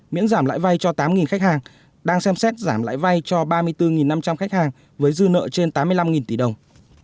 miễn giảm lãi vay cho tám khách hàng đang xem xét giảm lãi vay cho ba mươi bốn năm trăm linh khách hàng với dư nợ trên tám mươi năm tỷ đồng